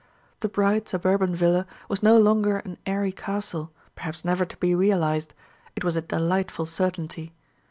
The bright suburban villa was no longer an airy castle, perhaps never to be realized; it was a delightful certainty.